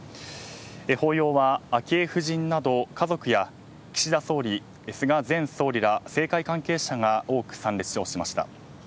法要は昭恵夫人など家族や岸田総理菅前総理ら政界関係者が多く参列しました。